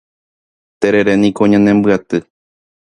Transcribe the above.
Tereréniko ñanembyaty